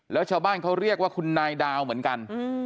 แล้วชาวบ้านเขาเรียกว่าคุณนายดาวเหมือนกัน